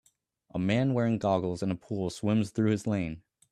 A man wearing goggles in a pool swims through his lane